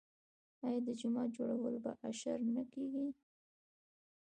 آیا د جومات جوړول په اشر نه کیږي؟